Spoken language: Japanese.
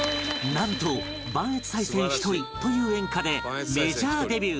なんと『磐越西線ひとり』という演歌でメジャーデビュー